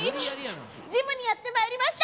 ジムにやって参りました！